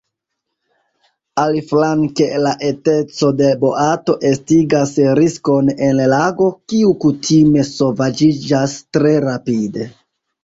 Aliflanke la eteco de boato estigas riskon en lago, kiu kutime sovaĝiĝas tre rapide.